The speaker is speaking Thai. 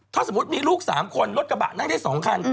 ถ้าสมมุติมีลูก๓คนรถกระบะนั่งได้๒คัน